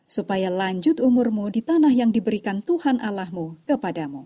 supaya lanjut umurmu di tanah yang diberikan tuhan allahmu kepadamu